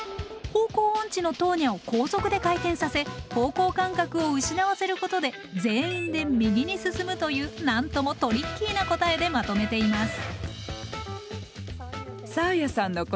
方向音痴のトーニャを高速で回転させ方向感覚を失わせることで全員で右に進むというなんともトリッキーな答えでまとめています。